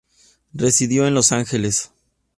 Residió en Los Ángeles.